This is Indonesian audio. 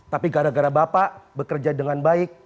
tapi gara gara bapak bekerja dengan baik